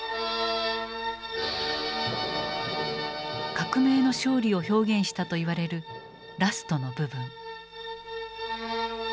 「革命の勝利」を表現したと言われるラストの部分。